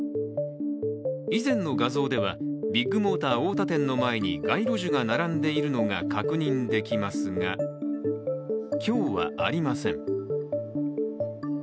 以前の画像では、ビッグモーター太田店の前に街路樹が並んでいるのが確認できますが今日は、ありません。